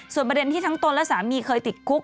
ส่วนประเด็นที่ทั้งตนและสามีเคยติดคุก